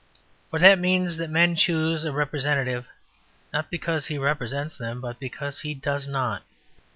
For that means that men choose a representative, not because he represents them, but because he does not.